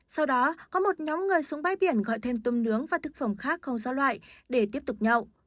sau đó có một nhóm người xuống bãi biển gọi thêm tôm nướng và thực phẩm khác không giao loại để tiếp tục nhậu